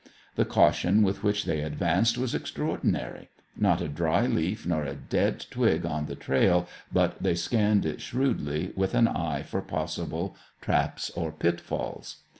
The caution with which they advanced was extraordinary. Not a dry leaf nor a dead twig on the trail but they scanned it shrewdly with an eye for possible traps or pitfalls.